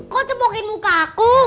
kok tembakin muka aku